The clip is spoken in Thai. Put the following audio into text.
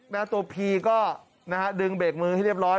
แม้ตัวพีก็ดึงเบรกมือที่เรียบร้อย